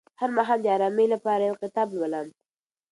هر ماښام د ارامۍ لپاره یو کتاب لولم.